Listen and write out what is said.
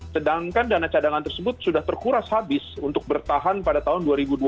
sedangkan dana cadangan tersebut sudah terkuras habis untuk bertahan pada tahun dua ribu dua puluh